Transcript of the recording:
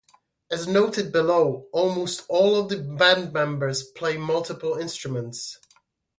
As noted below, almost all of the band members play multiple instruments.